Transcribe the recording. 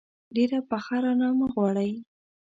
ډېره پخه رانه مه غواړئ.